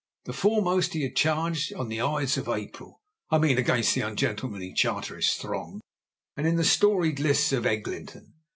The foremost he had charged on the Ides of April (I mean against the ungentlemanly Chartist throng) and in the storied lists of Eglinton.